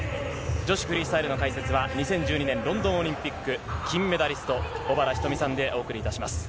女子フリースタイルの解説は、２０１２年ロンドンオリンピック金メダリスト、小原日登美さんでお送りいたします。